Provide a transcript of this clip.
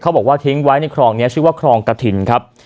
บอกว่าทิ้งไว้ในคลองนี้ชื่อว่าครองกระถิ่นครับ